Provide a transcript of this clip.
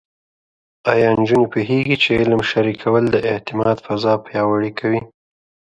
ایا نجونې پوهېږي چې علم شریکول د اعتماد فضا پیاوړې کوي؟